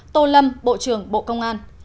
tô lâm bộ trưởng bộ công an